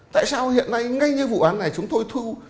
tại sao hiện nay ngay như vụ án này chúng tôi thu